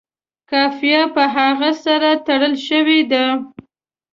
قافیه په هغه سره تړلې شوې ده.